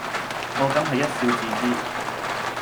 我梗係一笑置之